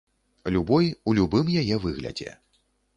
Любой, у любым яе выглядзе.